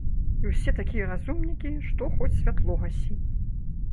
І ўсе такія разумнікі, што хоць святло гасі.